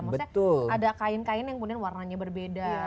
maksudnya ada kain kain yang kemudian warnanya berbeda